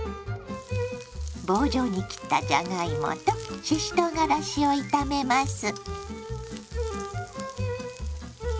棒状に切ったじゃがいもとししとうがらしを炒めます。